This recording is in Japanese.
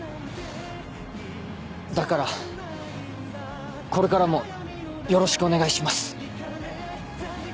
だからこれからもよろしくお願いします。